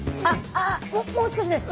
ああもう少しです。